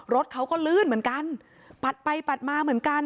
รถเขาก็ลื่นเหมือนกันปัดไปปัดมาเหมือนกัน